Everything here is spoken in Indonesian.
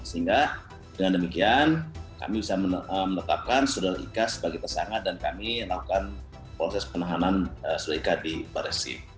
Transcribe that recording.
sehingga dengan demikian kami bisa menetapkan saudara ika sebagai tersangka dan kami melakukan proses penahanan saudara ika di barisim